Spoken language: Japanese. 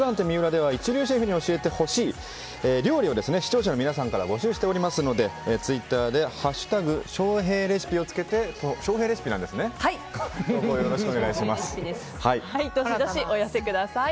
ＭＩＵＲＡでは一流シェフに教えてほしい料理を視聴者の皆さんから募集していますのでツイッターで「＃翔平レシピ」をつけてどしどしお寄せください。